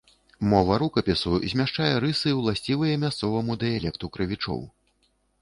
Мова рукапісу змяшчае рысы, уласцівыя мясцоваму дыялекту крывічоў.